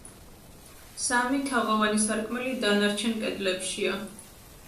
სამი, თაღოვანი სარკმელი დანარჩენ კედლებშია.